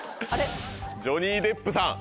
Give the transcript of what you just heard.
ジョニー・デップさん。